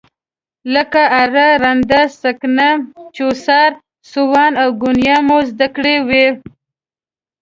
لکه اره، رنده، سکنه، چوسار، سوان او ګونیا مو زده کړي وو.